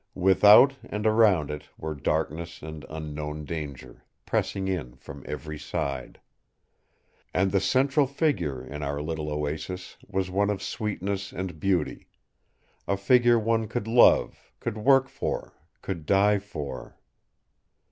Without and around it were darkness and unknown danger, pressing in from every side. And the central figure in our little oasis was one of sweetness and beauty. A figure one could love; could work for; could die for...!